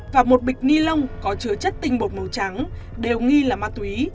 và một bịch ni lông có chứa chất tinh bột màu trắng đều nghi là ma túy